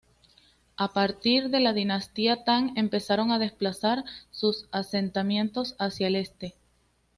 A partir de la dinastía Tang empezaron a desplazar sus asentamientos hacia el este.